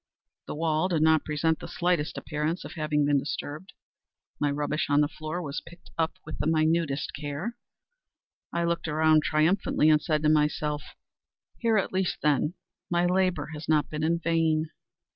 The wall did not present the slightest appearance of having been disturbed. The rubbish on the floor was picked up with the minutest care. I looked around triumphantly, and said to myself: "Here at least, then, my labor has not been in vain."